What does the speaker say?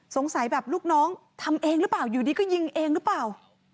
สงสัยแบบลูกน้องทำเองรึเปล่าอยู่ดีก็ยิงเองรึเปล่า